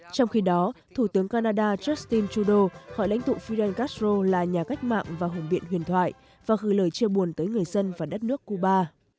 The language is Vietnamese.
trong khi đó thủ tướng canada justin trudeau khỏi lãnh tụ fidel castro là nhà cách mạng và hùng biện huyền thoại và gửi lời chia buồn tới người dân và đất nước cuba